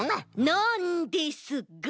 なんですが！